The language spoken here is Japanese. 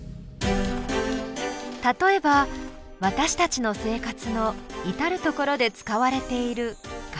例えば私たちの生活の至る所で使われているガラス。